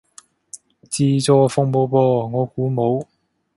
自助服務噃，我估冇